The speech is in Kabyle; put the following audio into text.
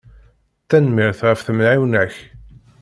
Tenmmirt ɣef temεiwna-ak.